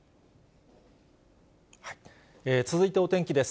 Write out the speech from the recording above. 続いてお天気です。